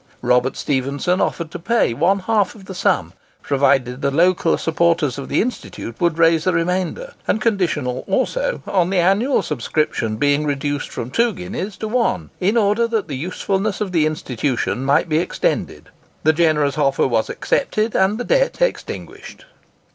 Robert Stephenson offered to pay one half of the sum, provided the local supporters of the Institute would raise the remainder; and conditional also on the annual subscription being reduced from two guineas to one, in order that the usefulness of the institution might be extended. The generous offer was accepted, and the debt extinguished.